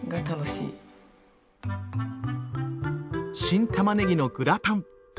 新たまねぎのグラタン。